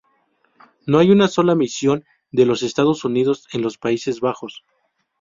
No hay una sola misión de los Estados Unidos en los Países Bajos.